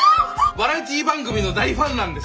バラエティー番組の大ファンなんです。